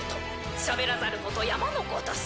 しゃべらざること山のごとし。